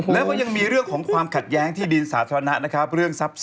และก็ยังมีเรื่องของความขัดแย้งที่ดินสาธารณะ